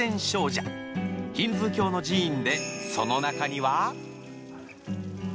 ヒンズー教の寺院でその中には？